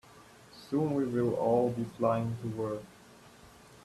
Soon, we will all be flying to work.